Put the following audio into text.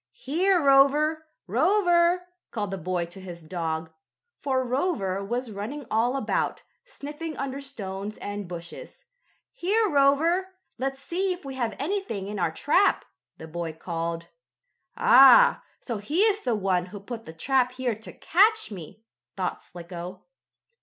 "Here, Rover! Rover!" called the boy to his dog, for Rover was running all about, sniffing under stones and bushes. "Here, Rover! Let's see if we have anything in our trap," the boy called. "Ah! so he is the one who put the trap here to catch me!" thought Slicko.